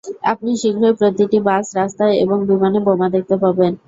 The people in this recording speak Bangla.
আপনি শীঘ্রই প্রতিটি বাস, রাস্তায় এবং বিমানে বোমা দেখতে পাবেন।